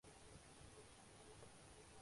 وزیر اعظم خاندان شریفیہ سے نہیں۔